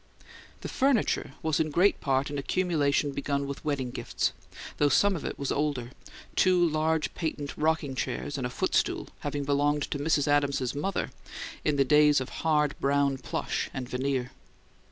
The furniture was in great part an accumulation begun with the wedding gifts; though some of it was older, two large patent rocking chairs and a footstool having belonged to Mrs. Adams's mother in the days of hard brown plush and veneer.